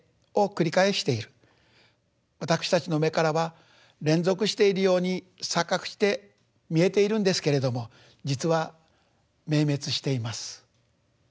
わたくしたちの目からは連続しているように錯覚して見えているんですけれども実は明滅しています。